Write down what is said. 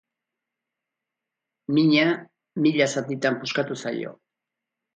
Mina mila zatitan puskatu zaio.